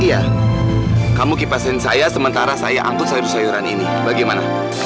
iya kamu kipasin saya sementara saya angkut sayur sayuran ini bagaimana